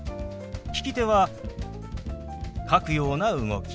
利き手は書くような動き。